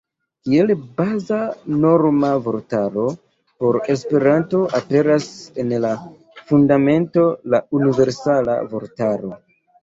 Kiel baza norma vortaro por Esperanto aperas en la Fundamento la "Universala Vortaro".